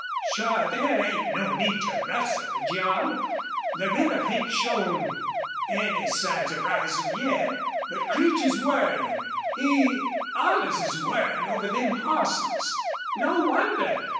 "Sure there ain't any need to rustle the job. The river hain't showed any signs of risin' yet. But Creech is worryin'. He allus is worryin' over them hosses. No wonder!